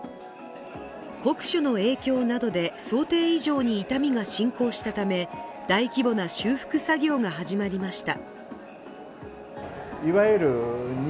酷暑の影響などで想定以上に傷みが進行したため大規模な修復作業が始まりました。